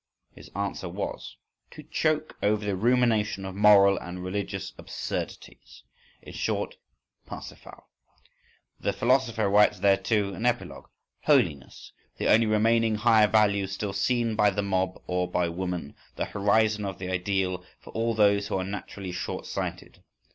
—His answer was: "To choke over the rumination of moral and religious absurdities." In short: Parsifal.… The philosopher writes thereto an epilogue: Holiness—the only remaining higher value still seen by the mob or by woman, the horizon of the ideal for all those who are naturally short sighted.